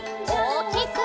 おおきく！